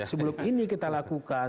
sebelum ini kita lakukan